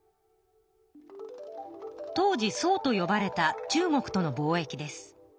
当時宋とよばれた中国との貿易です。